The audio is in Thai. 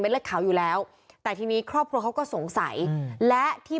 เลือดขาวอยู่แล้วแต่ทีนี้ครอบครัวเขาก็สงสัยและที่